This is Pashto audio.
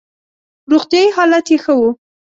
روغتیايي حالت یې ښه وو.